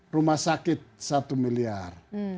rumah sakit satu miliar